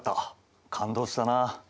感動したな。